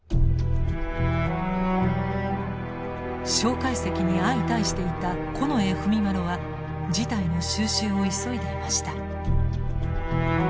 介石に相対していた近衛文麿は事態の収拾を急いでいました。